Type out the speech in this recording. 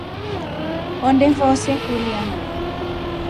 Honde vose kulya.